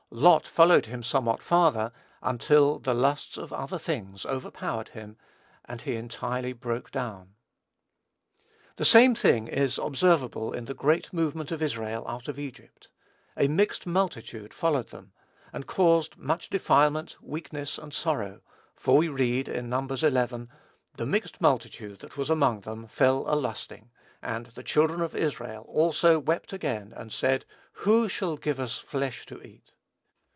Lot followed him somewhat farther, until "the lusts of other things" overpowered him, and he entirely broke down. The same thing is observable in the great movement of Israel out of Egypt. "A mixed multitude" followed them, and caused much defilement, weakness, and sorrow; for we read, in Numbers xi., "the mixed multitude that was among them fell a lusting: and the children of Israel also wept again, and said, who shall give us flesh to eat."